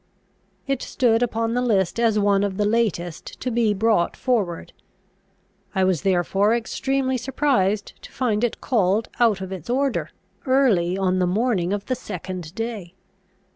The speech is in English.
It stood upon the list as one of the latest to be brought forward. I was therefore extremely surprised to find it called out of its order, early on the morning of the second day.